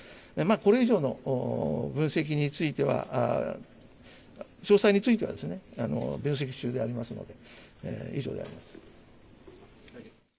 これ以上の分析については、詳細についてはですね、分析中でありますので、以上であります。